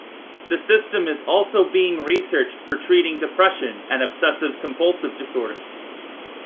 The system is also being researched for treating depression and obsessive-compulsive disorder.